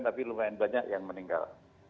tapi lumayan banyak yang meninggal